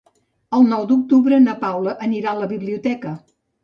El nou d'octubre na Paula anirà a la biblioteca.